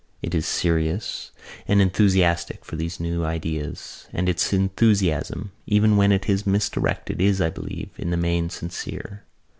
It is serious and enthusiastic for these new ideas and its enthusiasm, even when it is misdirected, is, I believe, in the main sincere.